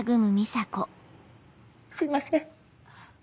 すいません。